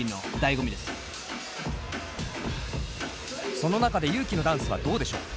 その中でＹＵ−ＫＩのダンスはどうでしょう？